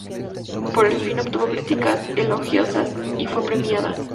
Por el film obtuvo críticas elogiosas y fue premiada.